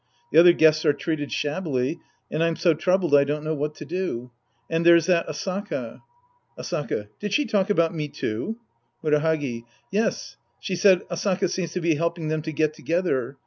The other guests are treated shabbily and I'm so troubled I don't know what to do. And there's that Asaka." Asaka. Did she talk about me, too ? Murahagi. Yes, she said, " Asaka seems to be helping them to get together.